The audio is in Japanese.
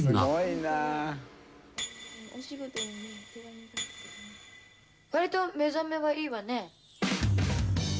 「わりと目覚めがいいわね」